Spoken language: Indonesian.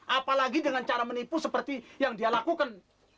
apalagi dengan cara menipu seperti yang dia lakukan